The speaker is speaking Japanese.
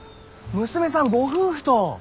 娘さんご夫婦と。